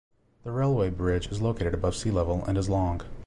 The railway bridge is located above sea level and is long.